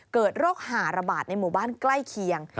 เกิดโรคหาระบาดในหมู่บ้านใกล้เคียง